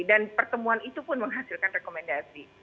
dan pertemuan itu pun menghasilkan rekomendasi